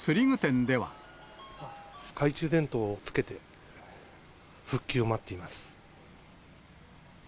懐中電灯をつけて、復旧を待っています。